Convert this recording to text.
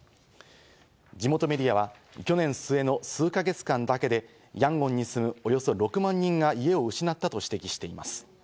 地元メディアは去年末の数か月間だけでヤンゴンに住む、およそ６万人が家を失ったと指摘しています。